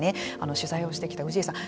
取材をしてきた氏家さん